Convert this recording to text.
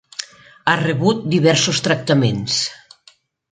Ha rebut diversos tractaments.